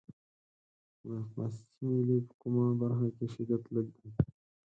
د مقناطیسي میلې په کومه برخه کې شدت لږ دی؟